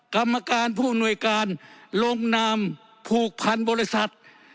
กรรมการผู้อำนวยการลงนามผูกพันบริษัท